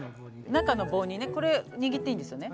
中の棒にねこれ握っていいんですよね？